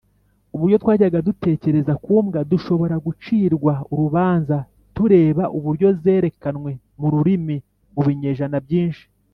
uburyo twajyaga dutekereza ku mbwa dushobora gucirwa urubanza tureba uburyo zerekanwe mururimi mu binyejana byinshi.